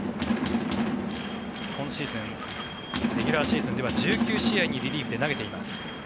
今シーズンレギュラーシーズンでは１９試合にリリーフで投げています。